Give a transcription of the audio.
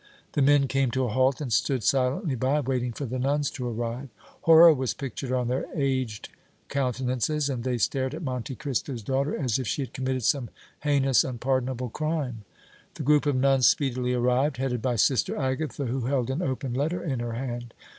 The men came to a halt and stood silently by, waiting for the nuns to arrive. Horror was pictured on their aged countenances, and they stared at Monte Cristo's daughter as if she had committed some heinous, unpardonable crime. The group of nuns speedily arrived, headed by Sister Agatha, who held an open letter in her hand.